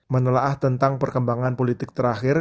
menelah tentang perkembangan politik terakhir